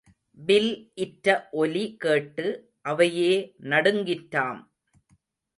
Will இற்ற ஒலி கேட்டு அவையே நடுங்கிற்றாம்.